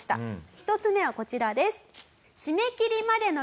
１つ目はこちらです。